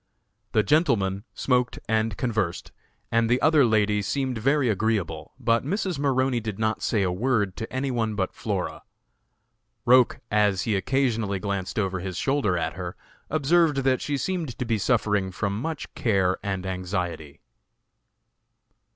The gentlemen smoked and conversed, and the other lady seemed very agreeable; but Mrs. Maroney did not say a word to any one but Flora. Roch as he occasionally glanced over his shoulder at her, observed that she seemed to be suffering from much care and anxiety.